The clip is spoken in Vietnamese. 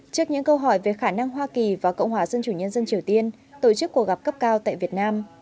trước những câu hỏi về khả năng hoa kỳ và cộng hòa dân chủ nhân dân triều tiên tổ chức cuộc gặp cấp cao tại việt nam